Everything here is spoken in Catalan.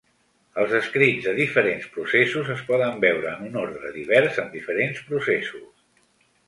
Els escrits de diferents processos es poden veure en un ordre divers en diferents processos.